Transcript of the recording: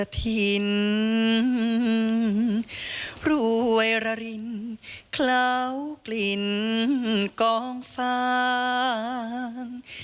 สีกล้างกลิ่นกล้องฟัง